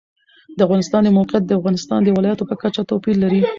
د افغانستان د موقعیت د افغانستان د ولایاتو په کچه توپیر لري.